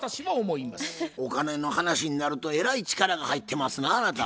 お金の話になるとえらい力が入ってますなあなた。